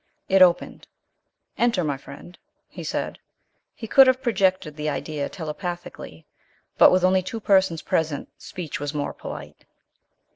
It opened. "Enter, my friend," he said. He could have projected the idea telepathically; but with only two persons present, speech was more polite.